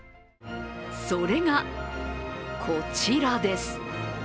それが、こちらです。